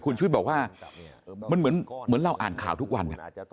คุณชุวิตบอกว่ามันเหมือนเราอ่านข่าวทุกวัน